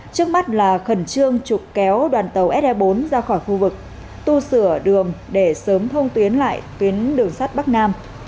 trước mắt là khẩn trương trục kéo đoàn tàu se bốn ra khỏi khu vực tu sửa đường để sớm thông tuyến lại tuyến đường sắt bắc nam